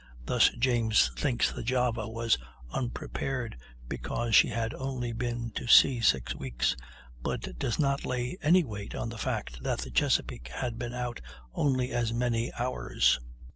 Thus, James thinks the Java was unprepared because she had only been to sea six weeks; but does not lay any weight on the fact that the Chesapeake had been out only as many hours.